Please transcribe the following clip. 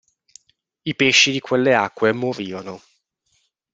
I pesci di quelle acque morirono.